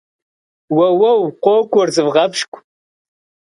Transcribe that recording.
Уэуэу, къокӏуэр, зывгъэпщкӏу!